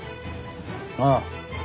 ああ。